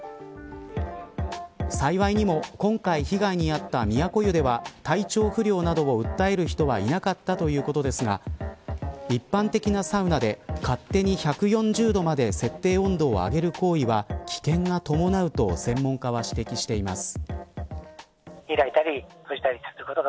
幸いにも今回被害に遭った都湯では体調不良などを訴える人はいなかったということですが一般的なサウナで勝手に１４０度まで設定温度を上げる行為は危険が伴うと専門家は指摘しています。